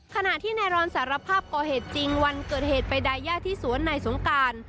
ขณะที่นายรอนสารภาพก่อเหตุจริงวันเกิดเหตุไปดายย่าที่สวนนายสงการ